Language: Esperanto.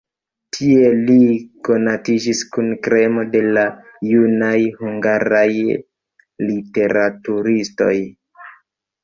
Tie li konatiĝis kun kremo de la junaj hungaraj literaturistoj.